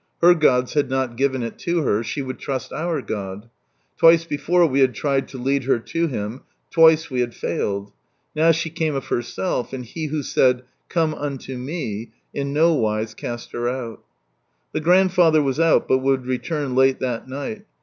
Her gods had not given it to her ; she would trust our God. Twice before we had tried to lead her to Him, twice we had failed ; nowahecameof herself, and He who said, "Come unto Me," in no wise cast her out. The grandfather was out, but would return late that night.